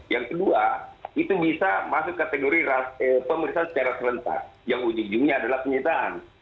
yang kedua itu bisa masuk kategori pemeriksaan secara serentak yang ujung ujungnya adalah penyitaan